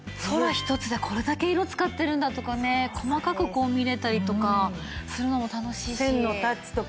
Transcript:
空一つでこれだけ色使ってるんだとかね細かく見れたりとかするのも楽しいし。